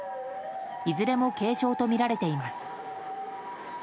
いずれも軽傷とみられています。